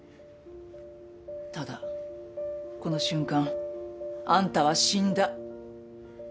ただこの瞬間あんたは死んだ。